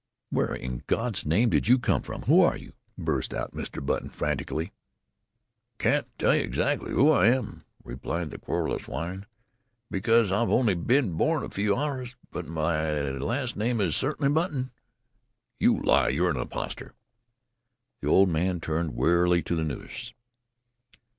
"Where in God's name did you come from? Who are you?" burst out Mr. Button frantically. "I can't tell you exactly who I am," replied the querulous whine, "because I've only been born a few hours but my last name is certainly Button." "You lie! You're an impostor!" The old man turned wearily to the nurse.